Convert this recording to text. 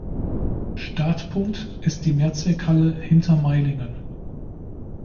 Startpunkt ist die Mehrzweckhalle Hintermeilingen.